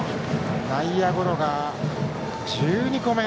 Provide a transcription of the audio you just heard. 内野ゴロが１２個目。